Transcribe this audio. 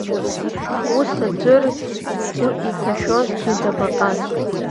Ус аӡәыр згәы иҭәашәозгьы дабаҟаз.